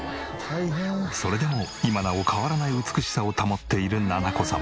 それでも今なお変わらない美しさを保っている奈々子様。